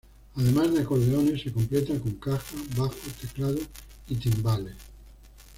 Además de acordeones, se completa con caja, bajo, teclado y timbales.